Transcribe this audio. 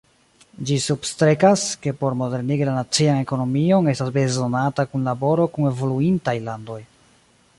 Ĝi substrekas, ke por modernigi la nacian ekonomion estas bezonata kunlaboro kun evoluintaj landoj.